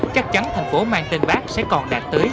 chắc chắn thành phố mang tên bác sẽ còn đạt tới